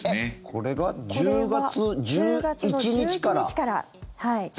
これが１０月１１日から。